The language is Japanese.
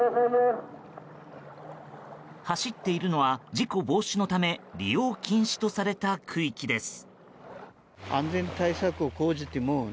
走っているのは事故防止のため利用禁止とされた区域です。